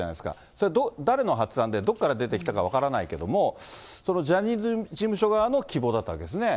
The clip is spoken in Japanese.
それ、誰の発案でどこから出てきたか分からないけども、そのジャニーズ事務所側の希望だったわけですね。